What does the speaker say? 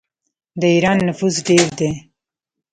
د ایران نفوس ډیر دی.